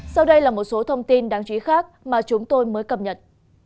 sau đây là một số thông tin đáng chú ý khác mà chúng tôi mới cập nhật